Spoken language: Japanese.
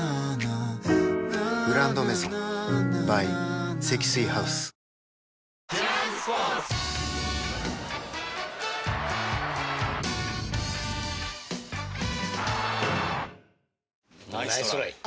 「グランドメゾン」ｂｙ 積水ハウスナイストライ